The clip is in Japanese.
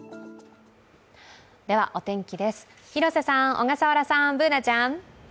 ではお天気です、広瀬さん、小笠原さん、Ｂｏｏｎａちゃん。